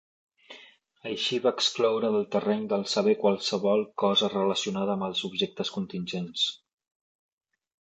Així va excloure del terreny del saber qualsevol cosa relacionada amb els objectes contingents.